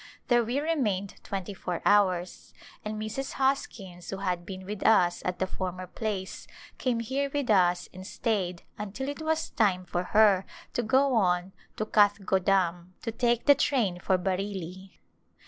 There we remained twenty four hours, and Mrs. Hoskins who had been with us at the former place came here with us and stayed until it was time for her to go on to Kathgo dam to take the train for Bareilly.